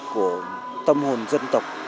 của tâm hồn dân tộc